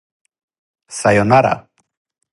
сајонара